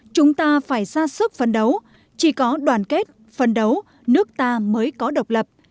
chúng ta phải ra sức phấn đấu chỉ có đoàn kết phấn đấu nước ta mới có độc lập